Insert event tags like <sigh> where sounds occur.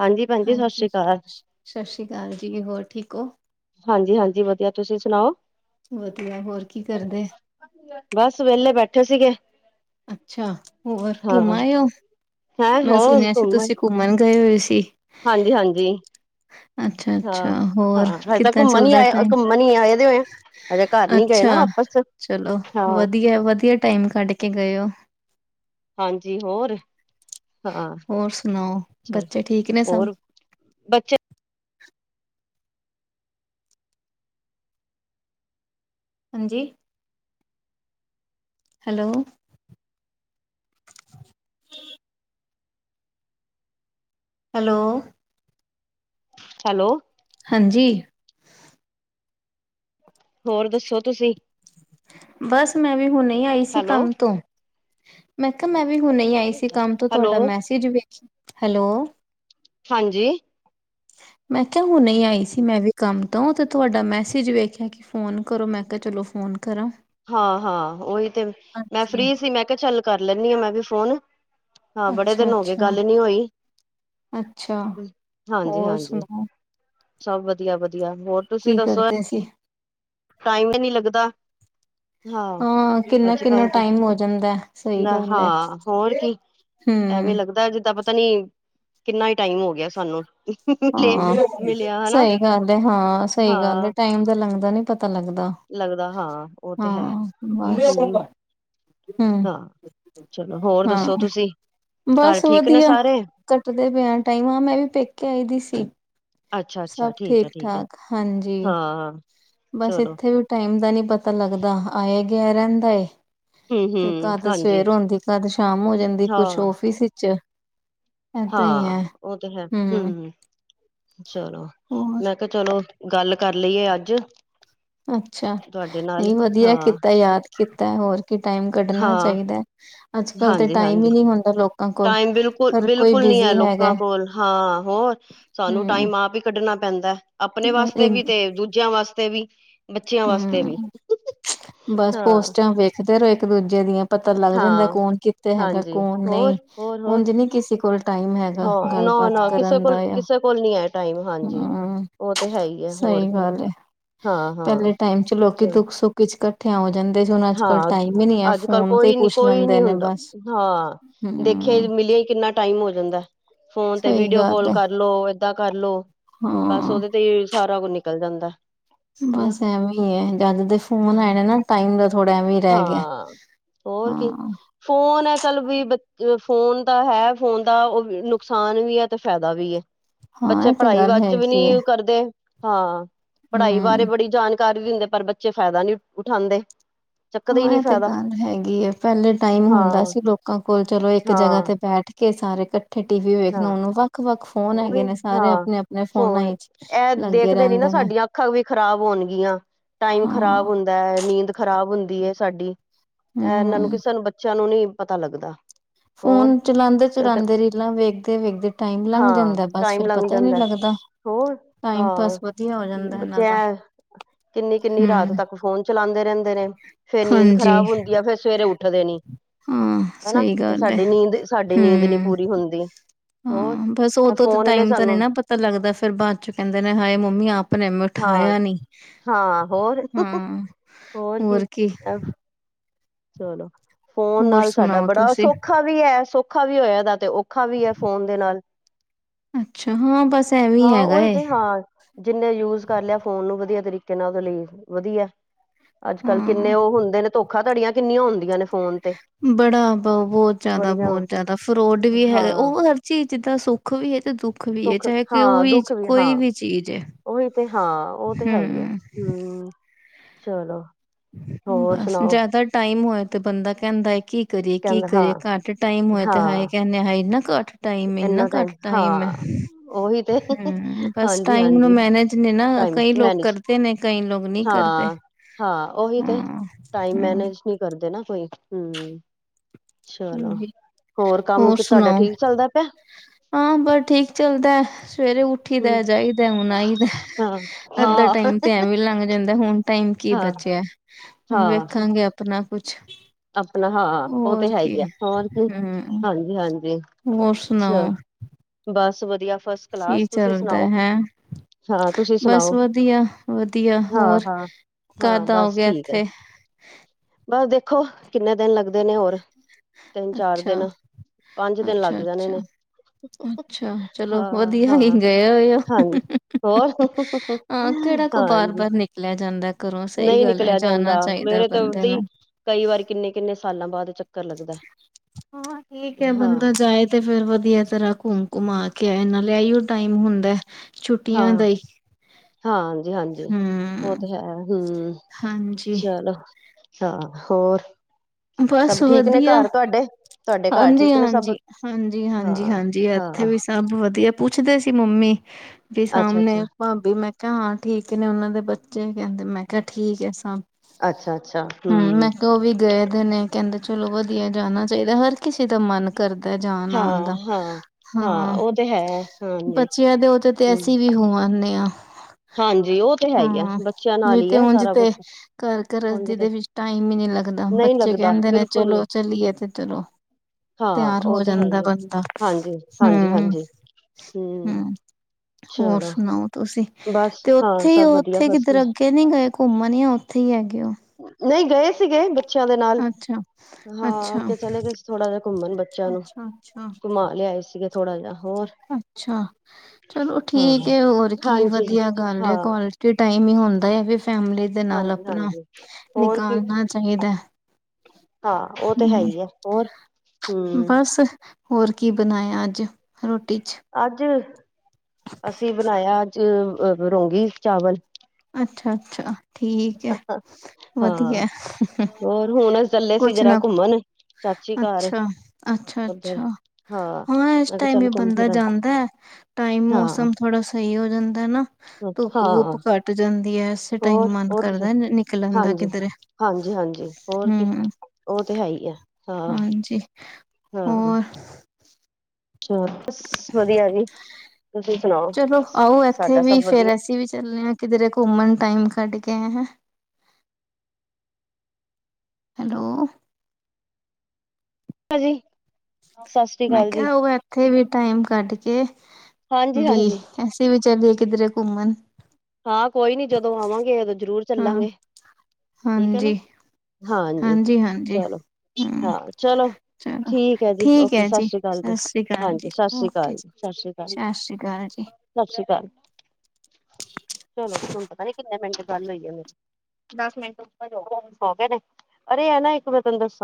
ਹਾਂਜੀ ਭੈਣ ਜੀ ਸਤਿ ਹਾਂਜੀ ਸ੍ਰੀ ਅਕਾਲ ਸਤਿ ਸ੍ਰੀ ਅਕਾਲ ਜੀ ਹੋਰ ਠੀਕ ਹੋ। ਹਾਂਜੀ ਹਾਂਜੀ ਵਧੀਆ ਤੁਸੀਂ ਸੁਣਾਓ। ਵਧੀਆ ਹੋਰ ਕੀ ਕਰਦੇ? ਬਸ ਵਿਹਲੇ ਬੈਠੇ ਸੀਗੇ। ਅੱਛਾ ਹੋਰ ਘੁੰਮ ਹਾਂ ਆਇਓ? ਹੈਂ ਮੈਂ ਹੋਰ ਸੁਣਿਆ ਸੀ ਤੁਸੀਂ ਘੁੰਮਣ ਗਏ ਹੋਏ ਸੀ। ਹਾਂਜੀ-ਹਾਂਜੀ। ਅੱਛਾ-ਅੱਛਾ ਹੋਰ ਹਜੇ ਤਾਂ ਕਿੱਦਾਂ ਘੁੰਮਣ ਹੀ ਚੱਲਦਾ ਆਏ ਟਾਈਮ? ਘੁੰਮਣ ਹੀ ਆਏ ਦੇ ਹੋਏ ਆ, ਹਜੇ ਘਰ ਨੀ ਗਏ ਅੱਛਾ ਨਾ ਵਾਪਸ ਚਲੋ ਹਾਂ ਵਧੀਆ-ਵਧੀਆ ਟਾਈਮ ਕੱਢ ਕੇ ਗਏ ਓ। ਹਾਂਜੀ ਹੋਰ। ਹਾਂ ਹੋਰ ਸੁਣਾਓ ਚਲ ਬੱਚੇ ਠੀਕ ਨੇ ਸਭ? ਹੋਰ ਬੱਚੇ ਹਾਂਜੀ। Hello hello hello. ਹਾਂਜੀ। ਹੋਰ ਦੱਸੋ ਤੁਸੀਂ? ਬਸ ਮੈਂ ਵੀ ਹੁਣੇ, ਆਈ ਸੀ ਹੈਲੋ ਕੰਮ ਤੋਂ। ਮੈਂ ਕਿਹਾ, ਮੈਂ ਵੀ ਹੁਣੇ ਆਈ ਸੀ ਕੰਮ ਤੋਂ, ਹੈਲੋ ਤੁਹਾਡਾ ਮੈਸੇਜ ਵੇਖ, ਹੈਲੋ ਹਾਂਜੀ। ਮੈਂ ਕਿਹਾ, ਹੁਣੇ ਆਈ ਸੀ ਮੈਂ ਵੀ। ਕੰਮ ਤੋਂ ਤੇ ਤੁਹਾਡਾ, ਮੈਸੇਜ ਵੇਖਿਆ ਕ ਫੋਨ ਕਰੋ, ਮੈਂ ਕਿਹਾ, ਚਲੋ ਫੋਨ ਕਰਾਂ। ਹਾਂ-ਹਾਂ ਉਹੀ ਤੇ ਮੈਂ ਹਾਂਜੀ। ਫ੍ਰਰੀ ਸੀ, ਮੈਂ ਕਿਹਾ ਚੱਲ ਕਰ ਲੈਂਨੀ ਆ ਮੈਂ ਵੀ ਫੋਨ। ਹਾਂ, ਬੜੇ ਅੱਛਾ, ਦਿਨ ਹੋ ਗਏ ਅੱਛਾ, ਗੱਲ ਨੀ ਹੋਈ, ਅੱਛਾ ਹੋਰ ਹਾਂਜੀ-ਹਾਂਜੀ। ਸੁਣਾਓ ਸਭ ਵਧੀਆ-ਵਧੀਆ ਹੋਰ ਤੁਸੀਂ ਦੱਸੋ? ਸੀ‌। ਟਾਈਮ ਏ ਨੀ ਲੱਗਦਾ। ਹਾਂ ਕਿੰਨਾ, ਕਿੰਨਾ ਅੱਜ-ਕੱਲ ਤੇ, ਟਾਈਮ ਹੋ ਜਾਂਦਾ ਹੈ, ਸਹੀ ਲੈ ਗੱਲ ਹੈ। ਹਾਂ ਹੋਰ ਕੀ। ਐਵੇਂ ਹੂੰ ਲੱਗਦਾ ਜਿੱਦਾਂ ਪਤਾ ਨੀ ਕਿੰਨਾ ਈ ਟਾਈਮ ਹੋ ਗਿਆ ਸਾਨੂੰ। ਮਿਲੇ ਹਾਂ ਮਿਲਿਆ ਹਨਾ ਸਈ ਗੱਲ ਐ ਹਾਂ ਸਈ ਗੱਲ ਐ, ਹਾਂ ਟਾਈਮ ਦਾ ਲੰਘਦਾ ਨੀ ਪਤਾ ਲੱਗਦਾ। ਲੱਗਦਾ ਹਾਂ ਉਹ ਤੇ ਹੈ ਹਾਂ ਬਸ। ਹਮ ਹੂੰ, ਹਾਂ ਚਲੋ ਹੋਰ ਹਾਂ ਦੱਸੋ ਤੁਸੀਂ ਘਰ ਬਸ ਠੀਕ ਨੇ ਵਧੀਆ। ਸਾਰੇ ਕੱਟਦੇ ਪਿਆ ਟਾਈਮ, ਆ ਮੈਂ ਵੀ ਪੇਕੇ, ਆਈ ਦੀ ਸੀ। ਅੱਛਾ ਅੱਛਾ ਸਭ ਹੈ ਠੀਕ ਹੈ -ਠਾਕ ਹਾਂਜੀ। ਹਾਂ। ਬਸ ਚਲੋ ਇੱਥੇ ਵੀ, ਟਾਈਮ ਦਾ ਨੀ ਪਤਾ ਲੱਗਦਾ ਆਇਆ ਗਿਆ ਰਹਿੰਦਾ ਏ। ਹਮ ਤੇ ਹਮ ਕਦ ਹਾਂਜੀ ਸਵੇਰ ਹੁੰਦੀ, ਕਦ ਸ਼ਾਮ ਹੋ ਜਾਂਦੀ, ਹਾਂ ਕੁਛ ਔਫਿਸ ਵਿੱਚ। ਏਦਾਂ ਹੀ ਹਾਂ ਹੈ ਉਹ ਤੇ ਹੈ ਹੂੰ, ਚਲੋ ਹੋਰ ਮੈਂ ਕਹਿ ਚਲੋ, ਗੱਲ ਕਰ ਲਈਏ ਅੱਜ। ਅੱਛਾ, ਤੁਹਾਡੇ ਨਾਲ ਨਈ ਵਧੀਆ ਹਾਂ ਕੀਤਾ ਯਾਦ ਕੀਤਾ ਹੋਰ ਕਿ ਟਾਈਮ ਕੱਢਣਾ ਹਾਂ, ਚਾਈਦਾ, ਅੱਜ-ਕੱਲ ਤੇ ਟਾਈਮ ਹਾਂਜੀ-ਹਾਂਜੀ ਈ ਨੀ ਹੁੰਦਾ ਲੋਕਾਂ ਕੋਲ। ਟਾਈਮ ਹਰ ਕੋਈ ਬਿਲਕੁਲ-ਬਿਲਕੁਲ ਨੀ ਐ ਬਿਜ਼ੀ ਹੈਗਾ ਲੋਕਾਂ ਕੋਲ ਹਾਂ ਹੋਰ ਸਾਨੂੰ ਹੂੰ ਟਾਈਮ ਆਪ ਈ ਕੱਢਣਾ ਪੈਂਦਾ, ਆਪਣੇ ਬਸ ਵਾਸਤੇ ਵੀ, ਇੱਕ ਤੇ ਦੂਜਿਆਂ ਵਾਸਤੇ ਵੀ। ਬੱਚਿਆਂ ਵਾਸਤੇ ਵੀ ਹੂੰ ਬਸ ਹਾਂ-ਹਾਂ, ਪੋਸਟਾਂ, ਵੇਖਦੇ ਰਹੋ ਇੱਕ-ਦੂਜੇ ਦੀਆਂ। ਪਤਾ ਲੱਗ ਜਾਂਦਾ ਕੌਣ, ਕਿੱਥੇ ਹੈਗਾ ਹਾਂਜੀ ਕੌਣ ਨਈ, ਹੋਰ-ਹੋਰ-ਹੋਰ ਉਂਜ ਨੀ ਕਿਸੇ ਕੋਲ ਟਾਈਮ ਹੈ। ਹਾਂ ਨਾਂ-ਨਾਂ ਕਿਸੇ ਕੋਲ ਕਿਸੇ ਕੋਲ ਨੀ ਐ, ਟਾਈਮ ਹਾਂਜੀ ਉਹ ਤੇ ਹੈ ਈ ਐ। ਸਈ ਹੋਰ ਕੀ ਗੱਲ ਏ, ਹਾਂ-ਹਾਂ ਪਹਿਲੇ ਟਾਈਮ 'ਚ ਲੋਕੀ ਚਲ ਦੁੱਖ-ਸੁੱਖ ਵਿਚ ਕੱਠਿਆ ਹੋ ਜਾਂਦੇ। ਹੁਣ ਅੱਜ-ਕੱਲ ਹਾਂ ਟਾਈਮ ਈ ਨਈ ਐ, ਅੱਜ-ਕੱਲ ਫੋਨ ਤੇ ਈ ਕੋਈ ਨੀ ਪੁੱਛ ਕੋਈ ਲੈਂਦੇ ਨੀ ਨੇ ਹੁੰਦਾ ਬਸ। ਹਾਂ ਦੇਖਿਆ ਹਮ ਈ, ਮਿਲਿਆ ਈ ਕਿੰਨਾ ਟਾਈਮ ਹੋ ਜਾਂਦਾ, ਫੋਨ ਤੇ ਸਹੀ ਵੀਡੀਓ ਗੱਲ ਕੋਅਲ ਹੈ ਕਰਲੋ। ਏਦਾਂ ਕਰਲੋ, ਬਸ ਹਾਂ ਉਹਦੇ ਤੇ ਈ ਸਾਰਾ ਕੁਝ ਨਿਕਲ ਜਾਂਦਾ। ਹਨਾ ਬਸ ਐਵੀ ਐ, ਜਦ ਦੇ ਫੋਨ ਹਾਂ ਆਣਾ ਨਾ। ਟਾਈਮ ਦਾ ਥੋੜ੍ਹਾ, ਐਵੀ ਰਹਿ ਗਿਆ, ਹਾਂ, ਹੋਰ ਕੀ ਹਾਂ। ਫੋਨ ਐ, ਚੱਲ ਵੀ ਬ ਫੋਨ ਦਾ ਹੈ ਫੋਨ, ਦਾ ਉਹ ਨੁਕਸਾਨ ਵੀ ਐ ਤੇ ਫਾਇਦਾ ਵੀ ਏ। ਹਾਂ ਬੱਚੇ ਇਹ ਤੇ ਪੜ੍ਹਾਈ ਗੱਲ ਵਚ ਵੀ ਹੈਗੀ ਹੈ ਨਈ ਕਰਦੇ। ਹਾਂ, ਪੜ੍ਹਾਈ ਬਾਰੇ ਹਮ ਬੜੀ ਜਾਣਕਾਰੀ ਦਿੰਦੇ, ਪਰ ਬੱਚੇ ਫਾਇਦਾ ਨੀ ਉਠਾਂਦੇ। ਹਾਂ, ਇਹ ਤੇ ਗੱਲ ਹੈਗੀ ਏ, ਪਹਿਲੇ ਟਾਈਮ ਹੁੰਦਾ ਹਾਂ ਸੀ। ਲੋਕਾਂ ਕੋਲ ਚਲੋ ਇੱਕ ਜਗ੍ਹਾ ਹਾਂ ਤੇ ਬੈਠ ਕੇ ਸਾਰੇ ਕੱਠ ਫੇਰ ਟੀ ਵੀ ਵੇਖਣਾ, ਹਾਂ ਹੁਣ ਵੱਖ-ਵੱਖ ਫੋਨ ਹੈਗੇ ਉਹੀ ਨੇ, ਸਾਰੇ ਹਾਂ ਆਪਣੇ-ਆਪਣੇ ਫੋਨਾਂ ਫੋਨ ਵਿਚ ਇਹ ਲੱਗੇ ਦੇਖਦੇ ਨੀ ਨਾ ਰਹਿੰਦੇ ਨੇ। ਸਾਡੀਆਂ ਅੱਖਾਂ ਵੀ, ਖ਼ਰਾਬ ਹੋਣਗੀਆਂ, ਟਾਈਮ ਹਾਂ ਖ਼ਰਾਬ ਹੁੰ ਨੀਂਦ ਖ਼ਰਾਬ ਹੁੰਦੀ ਏ ਸਾਡੀ, ਇਹ ਇਹਨਾਂ ਨੂੰ ਹਮ ਕਿ ਸਾਨੂੰ ਬੱਚਿਆਂ ਨੂੰ ਨੀ ਪਤਾ ਲੱਗਦਾ। ਹੋਰ ਫੋਨ ਤੇ ਤੇ ਚਲਾਂਦੇ-ਚਲਾਂਦੇ ਰੀਲਾਂ ਵੇਖਦੇ-ਵੇਖਦੇ ਟਾਈਮ ਲੰਘ ਹਾਂ ਜਾਂਦਾ, ਬਸ ਟਾਈਮ ਫੇਰ ਲੰਘ ਪਤਾ ਈ ਨਈ ਜਾਂਦਾ ਲੱਗਦਾ। ਹੋਰ ਟਾਈਮ ਹਾਂ ਪਾਸ ਵਧੀਆ ਹੋ ਜਾਂਦਾ ਇਹਨਾਂ ਦਾ। ਕਿੰਨੀ-ਕਿੰਨੀ ਹਮ ਰਾਤ ਤੱਕ ਫੋਨ ਚਲਾਂਦੇ ਰਹਿੰਦੇ ਨੇ, ਫੇਰ ਨੀਂਦ ਹਾਂਜੀ ਖਰਾਬ ਹੁੰਦੀ ਆ। ਫੇਰ ਸਵੇਰੇ ਉੱਠਦੇ ਨੀ। ਹਾਂ। ਸਈ ਗੱਲ ਏ। ਬੀ ਨੀਦ, ਸਾਡੀ ਨੀਂਦ ਨੀ ਪੂਰੀ ਹੁੰਦੀ। <inaudible> ਹੋਰ। ਬਸ ਉਦੋਂ ਤਾਂ ਫੋਨ ਨੇ ਟਾਈਮ ਤਾਂ ਨੀ ਸਾਨੂੰ ਨਾ ਪਤਾ ਲੱਗਦਾ। ਫੇਰ ਬਾਅਦ 'ਚ ਕਹਿੰਦੇ ਨੇ ਹਾਏ ਮੰਮੀ ਆਪ ਨੇੈਂ ਹਾਂ ਉਠਾਇਆ ਨੀ। ਹਾਂ ਹੋਰ ਹੂੰ। ਹੋਰ ਕੀ ਚਲੋ। ਫੋਨ ਹੋਰ ਨਾਲ ਸਾਡਾ ਸੁਣਾਓ ਬੜਾ ਤੁਸੀਂ ਸੌਖਾ ਵੀ ਹੈ ਸੌਖਾ ਵੀ ਹੋਇਆ। ਇਹਦਾ ਤੇ ਔਖਾ ਵੀ ਐ ਫੋਨ ਦੇ ਨਾਲ। ਅੱਛਾ ਹਾਂ ਬਸ ਐਵੇਂ ਹਾਂ। ਹੈਗਾ ਉਹੀ ਏ ਤੇ ਹਾਂ। ਜਿੰਨੇ ਯੂਜ ਕਰ ਲਿਆ ਫੋਨ ਨੂੰ ਵਧੀਆ ਤਰੀਕੇ ਨਾਲ। ਉਹਦੇ ਲਈ ਵਧੀਆ। ਅੱਜ-ਕੱਲ੍ਹ ਹਾਂ ਕਿੰਨੇ ਉਹ ਹੁੰਦੇ ਨੇ, ਧੋਖਾ- ਧੜੀਆਂ ਕਿੰਨੀਆਂ ਹੁੰਦੀਆਂ ਨੇ ਫੋਨ ਤੇ। ਬੜਾ ਵ ਬਹੁਤ ਜਿਆਦਾ, ਬੜੀਆਂ ਬਹੁਤ ਜਿਆਦਾ, ਫਰੋਡ ਵੀ ਹੈਗਾ। ਹਾਂ ਉਹ ਹਰ ਚੀਜ਼ ਜਿੱਦਾਂ ਸੁ ਸੁਖ ਵੀ ਏ, ਤੇ ਦੁੱਖ ਵੀ ਏ, ਸੁੱਖ ਚਾਹੇ ਕੋ ਹਾਂ ਵੀ ਦੁੱਖ ਹਾਂ ਕੋਈ ਵੀ ਚੀਜ਼ ਏ। ਉਹੀ ਤੇ ਹਾਂ। ਉਹ ਤੇ ਹੈ ਹੀ ਐ ਹੈ ਚਲੋ। ਹੋਰ ਬਸ ਸੁਣਾਓ ਜਿਆਦਾ ਟਾਈਮ ਹੋਆ ਤੇ ਬੰਦਾ ਕਹਿੰਦਾ ਹੈ ਕੀ ਕਰੀਏ ਕੀ ਕਹਿੰਦਾ ਹਾਂ ਕਰੀਏ, ਘੱਟ ਟਾਇਮ ਹੋਆ ਤੇ ਹਾਏ ਹਾਂ ਕਹਿੰਨੇ ਹਾਏ ਇੰਨਾ ਘੱਟ ਟਾਈਮ ਇੰਨਾ ਘੱਟ, ਟਾਈਮ ਉਹੀ ਤੇ ਹੂੰ। ਬਸ ਹਾਂਜੀ ਟਾਈਮ ਨੂੰ ਹਾਂਜੀ ਮੈਨੇਜ ਨੇ ਨਾ। ਟਾਈਮ ਕਈ ਲੋਕ ਮੈਨੇਜ ਕਰਦੇ ਨੇ ਕਈ ਲੋਕ ਨਹੀਂ ਕਰਦੇ। ਹਾਂ ਹਾਂ। ਉਹੀ ਤੇ, ਹਾਂ ਟਾਈਮ ਹਮ ਮੈਨੇਜ ਨਹੀਂ ਕਰਦੇ ਨਾ ਕੋਈ। ਹੂੰ ਚਲੋ। ਹਾਂਜੀ ਹੋਰ ਕੰਮ ਤੁਹਾਡਾ ਠੀਕ ਚੱਲਦਾ ਪਿਆ। ਹਾਂ। ਬਸ ਠੀਕ ਚੱਲਦਾ। ਸਵੇਰੇ ਉਠ ਉੱਠੀ ਦਾ ਹਮ ਜਾਈਦਾ, ਹੁਣ ਆਈ ਦਾ, ਹਾਂ ਅੱਧਾ ਹਾਂ ਟਾਈਮ ਤੇ ਐ ਵੀ ਲੰਘ ਜਾਂਦਾ ਹੁਣ ਟਾਈਮ ਕੀ ਹਾਂ ਬਚਿਆ। ਹੁਣ ਹਾਂ ਵੇਖਾਂਗੇ ਆਪਣਾ ਕੁਛ। ਆਪਣਾ ਹਾਂ ਉਹ ਤੇ ਹੋਰ ਹੈ। ਕੀ ਹੈਗਾ। ਹੋਰ ਕੀ ਹਮ ਹਾਂਜੀ-ਹਾਂਜੀ, ਹੋਰ ਸੁਣਾਓ ਚੱਲ ਬਸ ਵਧੀਆ। ਫਸਟ ਕੀ ਕਲਾਸ ਤੁਸੀਂ ਚੱਲਦਾ ਸੁਣਾਓ? ਹੈ ਹਾਂ ਤੁਸੀਂ ਬਸ ਸੁਣਾਓ? ਵਧੀਆ ਵਧੀਆ ਹੋਰ ਹਾਂ-ਹਾਂ। ਹਾਂ। ਕਦ ਬਸ ਆਓਗੇ ਠੀਕ ਐ। ਇੱਥੇ ਬਸ ਦੇਖੋ ਕਿੰਨੇ ਦਿਨ ਲੱਗਦੇ ਨੇ ਹੋਰ ਤਿੰਨ- ਚਾਰ ਅੱਛਾ ਦਿਨ। ਪੰਜ ਦਿਨ ਅੱਛਾ ਲੱਗ ਜਾਣੇ ਅੱਛਾ ਨੇ। ਅੱਛਾ। ਚਲੋ ਹਾਂ ਵਧੀਆ ਨੇ ਹਾਂ ਗਏ ਉਏ ਓ। ਹਾਂਜੀ ਹੋਰ ਹਾਂ। ਕਿਹੜਾ ਕੋ ਹਾਂਜੀ ਬਾਰ-ਬਾਰ ਨਿਕਲਿਆ ਜਾਂਦਾ ਘਰੋਂ, ਸਈ ਨਹੀਂ ਗੱਲ ਐ ਨਿਕਲਿਆ ਜਾਂਦਾ ਜਾਣਾ ਚਾਈਦਾ ਮੇਰੇ ਤਾਂ ਬੰਦੇ ਉਦਾਂ ਹੀ ਨੂੰ। ਕਈ ਵਾਰ ਕਿੰਨੇ -ਕਿੰਨੇ ਸਾਲਾਂ ਬਾਅਦ ਚ ਹਾਂ ਠੀਕ ਹੈ। ਹਾਂ ਬੰਦਾ ਜਾਏ ਤੇ ਫੇਰ ਵਧੀਆ ਤਰ੍ਹਾਂ ਘੁੰਮ -ਘੁਮਾ ਕੇ। ਕ ਇਹਨਾਂ ਲਿਆਈ ਓ ਟਾਈਮ ਹੁੰਦਾ ਏ। ਹਾਂ -ਹਾਂ। ਹਾਂਜੀ। ਉਹ ਹਮ ਤੇ ਹੈ ਹੂੰ ਹਾਂਜੀ, ਚਲੋ। ਹਾਂ। ਹੋਰ ਸਭ ਠੀਕ ਨੇ ਘਰ ਤੁਹਾਡੇ? ਘਰ ਹਾਂਜੀ ਠੀਕ ਨੇ ਸਭ -ਹਾਂਜੀ -ਹਾਂਜੀ ਹਾਂ -ਹਾਂਜੀ -ਹਾਂਜੀ ਇੱਥੇ ਹਾਂ ਵੀ ਸਭ ਵਧੀਆ। ਪੁੱਛਦੇ ਸੀ ਮੰਮੀ, ਵੀ ਅੱਛਾ ਅੱਛਾ ਸਾਹਮਣੇ ਭਾਬੀ ਮੈਂ ਹਾਂ ਠੀਕ ਨੇ, ਉਹਨਾਂ ਦੇ ਬੱਚੇ ਕਹਿੰਦੇ, ਮੈਂ ਕਿਹਾ ਠੀਕ ਹੈ ਸਭ। ਅੱਛਾ ਅੱਛਾ ਹੂੰ, ਹਮ ਮੈਂ ਕਿਹਾ ਉਹ ਵੀ ਗਏ ਪੇ ਨੇ, ਕਹਿੰਦੇ ਚਲੋ ਵਧੀਆ ਜਾਣਾ ਚਾਹੀਦਾ। ਹਰ ਕਿਸੇ ਦਾ ਮਨ ਕਰਦਾ ਹਾਂ ਜਾਣ-ਆਉਣ ਦਾ ਹਾਂ ਹਾਂ। ਉਹ ਤੇ ਹੈ ਹਾਂਜੀ ਬੱਚਿਆਂ ਦੇ ਉਹ ਤੇ ਤੇ ਹਮ ਅਸੀਂ ਵੀ ਹੋ ਆਨੇ ਆ। ਹਾਂਜੀ ਉਹ ਤੇ ਹੈ ਹੀ ਆ ਹਾਂ। ਬੱਚਿਆਂ ਨਹੀਂ ਨਾਲ ਹੀ ਤੇ ਹੈ ਉੰਜ ਸਾਰਾ ਤੇ ਕੁਛ ਘਰ ਉਝ ਘਰਸਦੀ ਤੇ ਦੇ ਵਿ ਟਾਈਮ ਹੀ ਨਹੀਂ ਲੱਗਦਾ। ਨਹੀਂ ਬੱਚੇ ਲੱਗਦਾ ਕਹਿੰਦੇ ਨੇ ਬਿਲਕੁਲ ਚਲੋ ਨੀ ਚੱਲਏ ਤੇ ਚਲੋ। ਹਾਂ ਤਿਆਰ ਉਹ ਹੋ ਤੇ ਹੈ ਜਾਂਦਾ ਹੀ ਆ ਬਸਤਾ ਹਾਂਜੀ ਹਾਂਜੀ ਹੂੰ ਹਾਂਜੀ ਹਮ -ਹੂੰ। ਹੋਰ ਚਲੋ ਸੁਣਾਓ ਤੁਸੀਂ ਬਸ ਤੇ ਹਾਂ ਉਥੇ ਹੀ ਸਭ ਵਧੀਆ ਉਥੇ ਕਿ ਫਸਟ ਦਰ ਕਲਾਸ ਅੱਗੇ ਨਹੀਂ ਗਏ ਘੁੰਮਣ ਹੀ ਆ ਉਥੇ ਹੀ ਹੈਗੇ ਏ ਉਹ ਨਹੀਂ ਗਏ ਸੀਗੇ ਬੱਚੇ ਬੱਚਿਆਂ ਦੇ ਨਾਲ ਅੱਛਾ, ਅੱਛਾ। ਹਾਂ ਚਲੇ ਗਏ ਥੋੜ੍ਹਾ ਜਿਹਾ ਘੁੰਮਣ ਬੱਚਿਆਂ ਨੂੰ ਅੱਛਾ-ਅੱਛਾ। ਘੁੰਮਾ ਲਿਆਏ ਸੀਗੇ ਥੋੜਾ ਜਿਹਾ ਹੋਰ ਅੱਛਾ, ਅੱਛਾ ਚਲੋ ਹਾਂ ਠੀਕ ਹੋਰ ਕੀ ਹਾਂਜੀ ਜੀ ਵਧੀਆ ਗੱਲ ਹਾਂ ਹੈ ਕੁਆਲਟੀ ਕਿ ਟਾਈਮ ਹੀ ਹੁੰਦਾ ਹੈ ਵੀ ਫੈਮਿਲੀ ਦੇ ਨਾਲ ਹਾਂਜੀ ਆਪਣਾ ਹਾਂਜੀ ਹੋਰ ਕੀ ਨਿਕਾਲਣਾ ਚਾਹੀਦਾ। ਹਾਂ ਉਹ ਤੇ ਹੈ ਹੀ ਹੂੰ ਆ ਹੋਰ ਹੂੰ। ਬਸ ਹੋਰ ਕੀ ਬਣਾਇਆ ਅੱਜ ਰੋਟੀ 'ਚ ਅੱਜ ਅਸੀਂ ਬਣਾਇਆ ਅੱਜ ਰੋਂਗੀ ਚਾਵਲ ਅੱਛਾ -ਅੱਛਾ ਠੀਕ ਹੈ ਹਾਂ ਵਧੀਆ ਹੋਰ ਹੁਣ ਅਸੀਂ ਚੱਲੇ ਸੀ ਕੁਛ ਜਰਾ ਨਾ ਕੁ ਘੁੰਮਣ ਚਾਚੀ ਘਰ ਉੱਧਰ ਅੱਛਾ-ਅੱਛਾ-ਅੱਛਾ ਹਾਂ ਇਸ ਮੈਂ ਕਿਹਾ ਟਾਈਮ ਚੱਲ ਘੁੰਮ ਬੰਦਾ ਫਿਰ ਆਈ ਜਾਂਦਾ ਹੈ ਟਾਈਮ ਹਾਂ ਮੌਸਮ ਥੋੜਾ ਸਹੀ ਹੋ ਜਾਂਦਾ ਨਾ। ਹਾਂ। ਧੁੱਪ ਘੱਟ ਜਾਂਦੀ ਹੈ। ਤੇ ਟਾਈਮ ਹੋਰ ਮਨ ਉਹ ਤੇ ਹੈ। ਕਰਦਾ ਨਿਕਲਣ ਦਾ ਹਾਂਜੀ ਕਿਧਰੇ ਹਾਂਜੀ ਹਾਂਜੀ ਹੋਰ ਕੀ ਹੂੰ। ਉਹ ਤੇ ਹੈ ਹੀ ਆ। ਹਾਂ ਹਾਂਜੀ ਹੋਰ ਚਲੋ ਬਸ ਵਧੀਆ ਜੀ। ਤੁਸੀਂ ਸੁਣਾਓ। ਚਲੋ ਆਓ ਇਥੇ ਸਾਡਾ ਸਭ ਵੀ ਫੇਰ ਵਧੀਆ ਅਸੀਂ ਵੀ ਚੱਲੇ ਹਾਂ ਕਿਧਰੇ ਘੁੰਮਣ ਟਾਈਮ ਕੱਡ ਗਏ ਹੈਂ। ਹੈਲੋ ਹਾਂਜੀ ਮੈਂ ਕਿਹਾ ਉਹ ਇੱਥੇ ਵੀ ਟਾਈਮ ਕੱਢ ਕੇ ਹਾਂਜੀ ਵੀ ਹਾਂਜੀ ਅਸੀੇ ਵੀ ਚੱਲੀਏ ਕਿਧਰੇ ਘੁੰਮਣ ਹਾਂ ਕੋਈ ਨੀ ਜਦੋਂ ਆਵਾਂਗੇ ਉਦੋਂ ਜ਼ਰੂਰ ਚੱਲਾਂਗੇ। ਠੀਕ ਹੈ ਨਾ ਹਾਂਜੀ ਹਾਂਜੀ-ਹਾਂਜੀ-ਹਾਂਜੀ ਚਲੋ ਹੂੰ। ਹਾਂ ਚਲੋ ਚਲੋ ਹੈ ਜੀ ਠੀਕ ਓਕੇ ਹੈ ਜੀ ਸ੍ਰੀ ਅਕਾਲ ਸਤਿ ਸ੍ਰੀ ਅਕਾਲ ਜੀ ਹਾਂਜੀ ਸਤਿ ਸ੍ਰੀ ਓਕੇ ਅਕਾਲ ਜੀ ਸਤਿ ਸ੍ਰੀ ਅਕਾਲ ਸ਼੍ਰੀ ਅਕਾਲ ਜੀ। ਸਤਿ ਸ਼੍ਰੀ ਅਕਾਲ। ਚਲੋ ਹੁਣ ਪਤਾ ਨੀ ਕਿੰਨੇ ਮਿੰਟ ਗੱਲ ਹੋਈ ਆ ਮੇਰੀ ਦਸ ਮਿੰਟ ਉਪਰ ਹੋ ਗਏ ਨਾ ਅਰੇ ਇੱਕ ਮੈਂ ਤੈਨੂੰ ਦੱਸਾਂ।